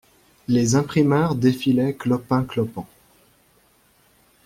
Les imprimeurs défilaient clopin-clopant.